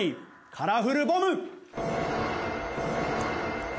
カラフルボム！